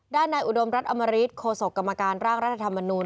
ด้านในอุดมรัฐอมริตโฆษกกรรมการร่างรัฐธรรมนูล